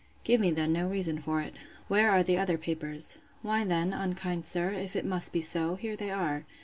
—Give me then no reason for it. Where are the other papers? Why, then, unkind sir, if it must be so, here they are.